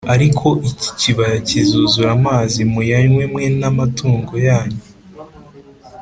Ariko iki kibaya kizuzura amazi h muyanywe i mwe n amatungo yanyu